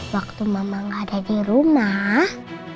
waktu mama nggak ada di rumah